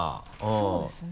そうですね。